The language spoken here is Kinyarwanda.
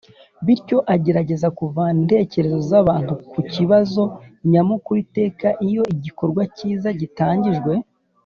bityo agerageza kuvana intekerezo z’abantu ku kibazo nyamukuru iteka iyo igikorwa cyiza gitangijwe